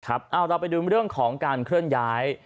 เราไปดูเรื่องของการเคลื่อนย้าย